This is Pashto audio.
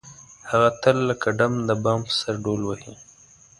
هغه تل لکه ډم د بام په سر ډول وهي.